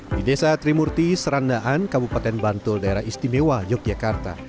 di desa trimurti serandaan kabupaten bantul daerah istimewa yogyakarta